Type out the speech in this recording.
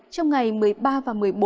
trong ngày một mươi ba và một mươi bốn